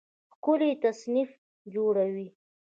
ښکلی تصنیف جوړوي